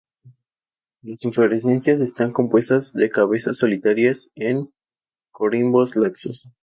Las inflorescencias están compuestas de cabezas solitarias en corimbos laxos.